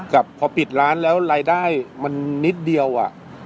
กับพอปิดร้านแล้วรายได้มันนิดเดียว